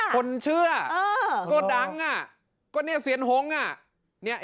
คนเชื่อก็ดังอ่ะก็เนี่ยเซียนฮงอ่ะ